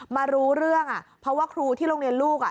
มารู้เรื่องอ่ะเพราะว่าครูที่โรงเรียนลูกอ่ะ